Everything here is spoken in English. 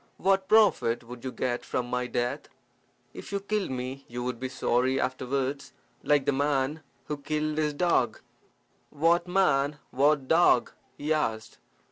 "What profit would you get from my death? If you killed me you would be sorry afterwards, like that man who killed his dog." "What man? What dog?" he asked.